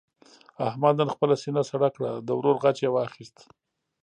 احمد نن خپله سینه سړه کړه. د ورور غچ یې واخیست.